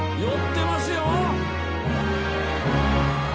寄ってますよ！